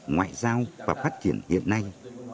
ngoại giao và phát triển hiện nay